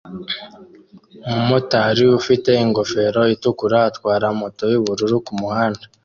Umumotari ufite ingofero itukura atwara moto yubururu kumuhanda